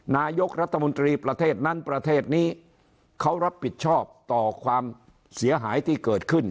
นายกรัฐมนตรีประเทศนั้นประเทศนี้เขารับผิดชอบต่อความเสียหายที่เกิดขึ้น